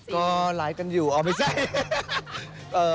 ก็ใหลกันอยู่อ้าวไม่ใช่